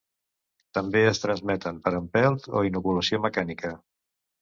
També es transmeten per empelt o inoculació mecànica.